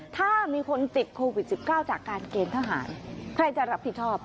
ถ้ามีคนติดโควิด๑๙จากการเกณฑ์ทหารใครจะรับผิดชอบ